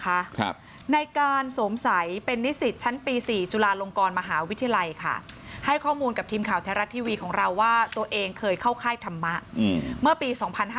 ข้อมูลนะคะในการสมสัยเป็นนิสิตชั้นปี๔จุฬาลงกรมหาวิทยาลัยให้ข้อมูลกับทีมข่าวแทระทีวีของเราว่าตัวเองเคยเข้าค่ายธรรมะเมื่อปี๒๕๕๖